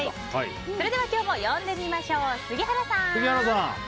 それでは今日も呼んでみましょう杉原さん！